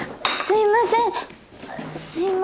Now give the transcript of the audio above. すいません。